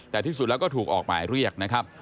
แต่ที่สุดแล้วก็ถูกออกหมายเรียกนะครับ